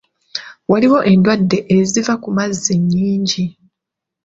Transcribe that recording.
Waliwo endwadde eziva ku mazzi nnyingi.